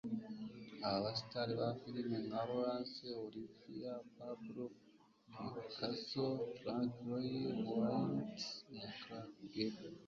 aba star ba firime nka Laurence Olivier, Pablo Picasso, Frank Lloyd Wright, na Clark Gable